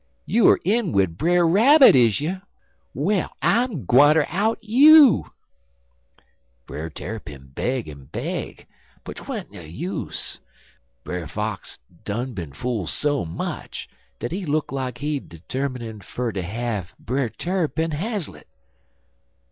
You er in wid Brer Rabbit, is you? Well, I'm gwineter out you.' "Brer Tarrypin beg en beg, but 'twan't no use. Brer Fox done been fool so much dat he look like he termin' fer ter have Brer Tarrypin haslett.